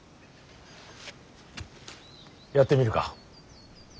やってみるか。